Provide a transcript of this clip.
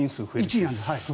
１位なんです。